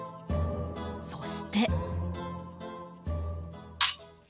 そして。